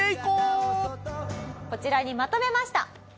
こちらにまとめました。